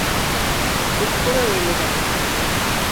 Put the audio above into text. চুপ করে রইলে কেন?